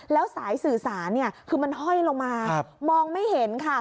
แล้วสายสื่อสารคือมันห้อยลงมามองไม่เห็นค่ะ